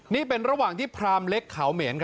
นี่เป็นระหว่างที่พรามเล็กเขาเหม็น